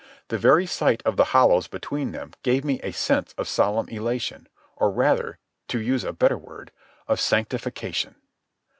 The very sight of the hollows between them gave me a sense of solemn elation, or, rather, to use a better word, of sanctification.